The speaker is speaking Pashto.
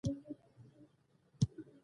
دوستي تل په اخلاص ولاړه وي.